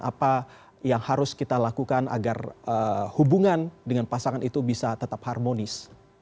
apa yang harus kita lakukan agar hubungan dengan pasangan itu bisa tetap harmonis